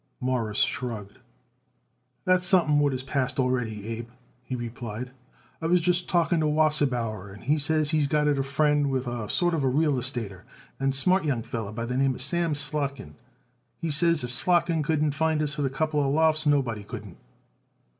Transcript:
Morris shrugged. "That's something what is past already, Abe," he replied. "I was just talking to Wasserbauer, and he says he got it a friend what is a sort of a real estater, a smart young feller by the name Sam Slotkin. He says if Slotkin couldn't find it us a couple of lofts, nobody couldn't."